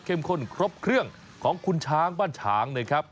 ข้นครบเครื่องของคุณช้างบ้านฉางนะครับ